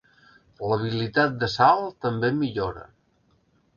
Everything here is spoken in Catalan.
L'habilitat de salt també millora.